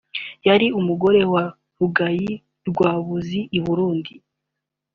yari umugore wa Rugayi rwa Buzi i Burundi